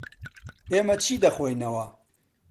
ئێمە چی دەخۆینەوە؟